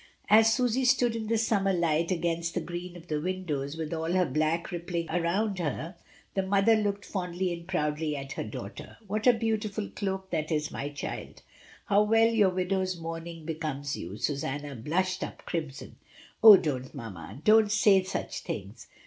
As Susy stood in the summer light, against the green of the windows, with all her black rippling round her, the mother looked fondly and proudly at her daughter. "What a beautiful doak that is, my child, how well your widow's mourning becomes you." Susanna blushed up crimson. 0h, don't, mamma, don't say such things."